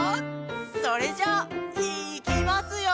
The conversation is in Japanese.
それじゃいきますよ！